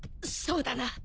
そうだな。